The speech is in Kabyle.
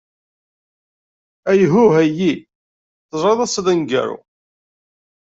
Ayhuh a yyi! Teẓrid ass-a d aneggaru.